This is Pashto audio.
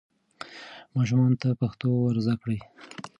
ماشومانو ته پښتو ور زده کړئ.